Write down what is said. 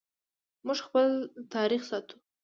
موږ خپل تاریخ ساتو